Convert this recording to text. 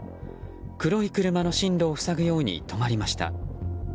黒い車の進路を塞ぐように止まりました。